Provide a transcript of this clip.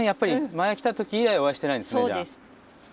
前来た時以来お会いしてないんですねじゃあ。